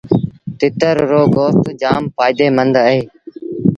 تتر رو گوست جآم ڦآئيدي مند اهي۔